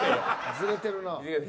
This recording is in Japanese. ずれてるな。